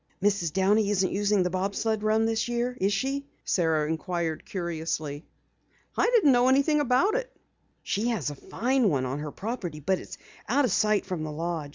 "Mrs. Downey isn't using the bob sled run this year, is she?" Sara inquired curiously. "I didn't know anything about it." "She has a fine one on her property, but it's out of sight from the lodge.